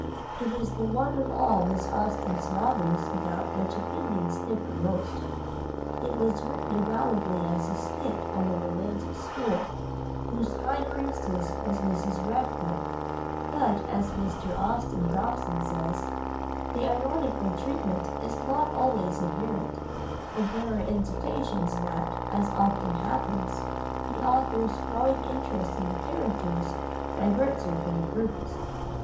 It is the one of all Miss Austen's novels about which opinions differ most. It was written avowedly as a skit on the romantic school, whose high priestess was Mrs. Radcliffe; but, as Mr. Austin Dobson says: "The ironical treatment is not always apparent, and there are indications that, as often happens, the author's growing interest in the characters diverts her from her purpose."